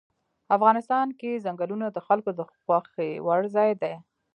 افغانستان کې ځنګلونه د خلکو د خوښې وړ ځای دی.